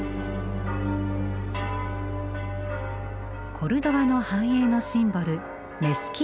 コルドバの繁栄のシンボルメスキータです。